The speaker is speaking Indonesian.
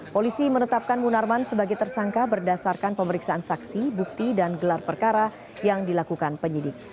polisi menetapkan munarman sebagai tersangka berdasarkan pemeriksaan saksi bukti dan gelar perkara yang dilakukan penyidik